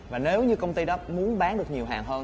và nếu như công ty đó muốn bán được nhiều hàng hơn